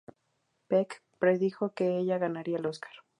Peck predijo que ella ganaría el Óscar.